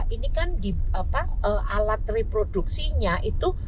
ini kan alat reproduksinya itu